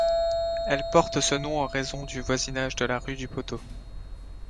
Elle porte ce nom en raison du voisinage de la rue du Poteau.